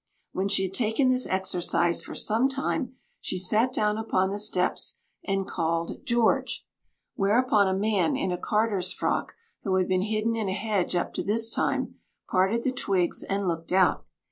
When she had taken this exercise for some time, she sat down upon the steps and called "George," whereupon a man in a carter's frock, who had been hidden in a hedge up to this time, parted the twigs and looked out.